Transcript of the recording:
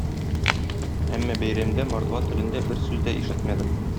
Әмма бәйрәмдә мордва телендә бер сүз дә ишетмәдем.